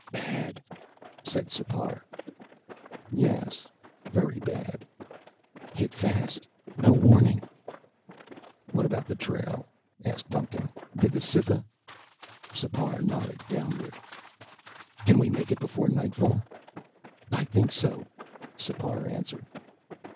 "Bad," said Sipar. "Yes, very bad." "Hit fast. No warning." "What about the trail?" asked Duncan. "Did the Cytha " Sipar nodded downward. "Can we make it before nightfall?" "I think so," Sipar answered.